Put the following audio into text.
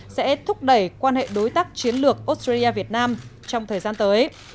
sẽ thúc đẩy quan hệ đối tác chiến lược australia việt nam trong thời gian tới